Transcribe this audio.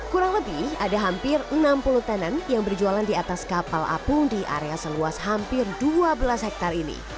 kurang lebih ada hampir enam puluh tenan yang berjualan di atas kapal apung di area seluas hampir dua belas hektare ini